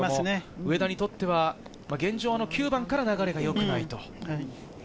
上田にとっては現状の９番から流れがよくないと。